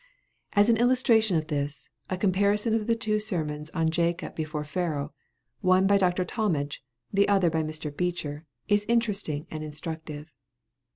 As an illustration of this, a comparison of two sermons on Jacob before Pharaoh, one by Dr. Talmage, the other by Mr. Beecher, is interesting and instructive.